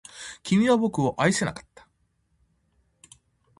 君は僕を愛せなかった